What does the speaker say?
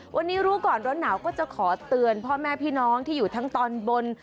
วันนี้รู้ก่อนร้อนหนาวก็จะขอเตือนพ่อแม่พี่น้องที่อยู่ทั้งตอนบน